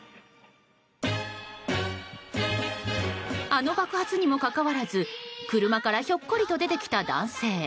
あの爆発にもかかわらず、車からひょっこりと出てきた男性。